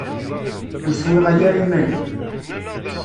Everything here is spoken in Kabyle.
Ur swiɣay ara iman-im.